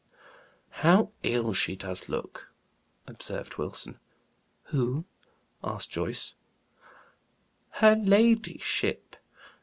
"How ill she does look," observed Wilson. "Who?" asked Joyce. "Her ladyship.